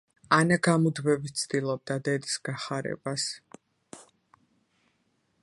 ანა გამუდმებით ცდილობდა დედის გახარებას.